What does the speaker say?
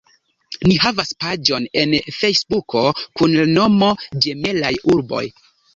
Ni havas paĝon en Fejsbuko kun la nomo Ĝemelaj Urboj.